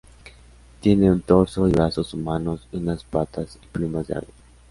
Tiene un torso y brazos humanos y unas patas y plumas de ave.